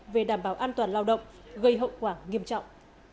về đảm bảo an toàn lao động gây hậu quả nghiêm trọng